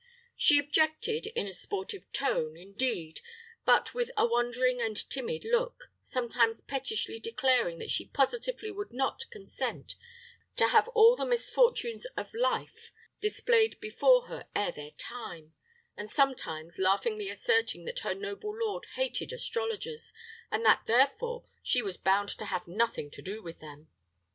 She objected, in a sportive tone, indeed, but with a wandering and timid look, sometimes pettishly declaring that she positively would not consent to have all the misfortunes of life displayed before her ere their time, and sometimes laughingly asserting that her noble lord hated astrologers, and that, therefore, she was bound to have nothing to do with them.